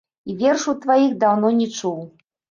І вершаў тваіх даўно не чуў.